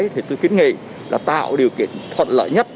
thì tôi kiến nghị là tạo điều kiện thuận lợi nhất